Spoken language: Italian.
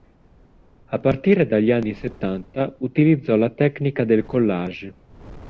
A partire dagli anni settanta utilizzò la tecnica del collage.